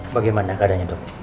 bagaimana keadaannya dok